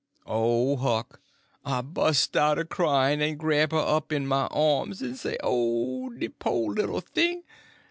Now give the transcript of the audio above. _ Oh, Huck, I bust out a cryin' en grab her up in my arms, en say, 'Oh, de po' little thing!